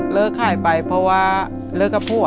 ขายไปเพราะว่าเลิกกับผัว